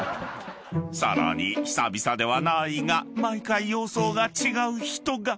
［さらに久々ではないが毎回様相が違う人が］